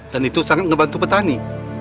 dan itu sangat ngebantu petani